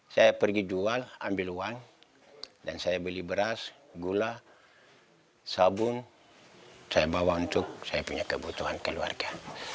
saya pergi jual ambil uang dan saya beli beras gula sabun saya bawa untuk saya punya kebutuhan keluarga